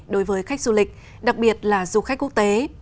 đối với khách du lịch đặc biệt là du khách quốc tế